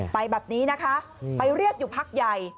ไปแบบนี้นะคะไปเรียกอยู่พักใหญ่